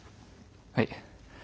はい。